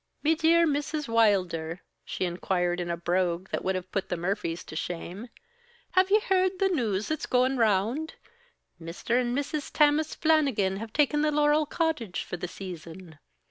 "Me dear Mrs. Wilder," she inquired in a brogue that would have put the Murphys to shame, "have ye heard the news that's goin' round? Mr. and Mrs. Tammas Flannigan have taken the Laurel Cottage for the season.